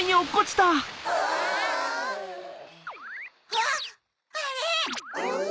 あっあれ！